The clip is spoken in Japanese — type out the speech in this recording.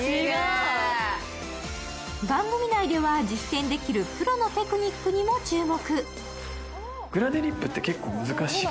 番組ないでは、実践できるプロのテクニックにも注目。